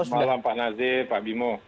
selamat malam pak nazir pak bimo